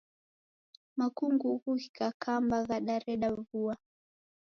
Makungughu ghikakamba ghadareda vua